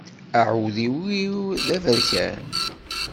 Aɛudiw-iw d aberkan.